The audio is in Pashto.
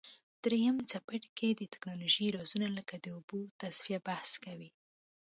دریم څپرکی د تکنالوژۍ رازونه لکه د اوبو تصفیه بحث کوي.